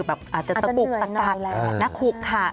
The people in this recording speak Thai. อาจจะตะกะนักขุกค่ะ